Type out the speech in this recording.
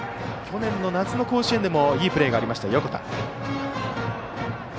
去年の夏の甲子園でもいいプレーがあった横田。